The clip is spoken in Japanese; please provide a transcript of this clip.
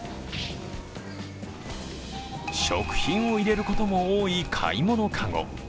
食品を入れることも多い買い物カゴ。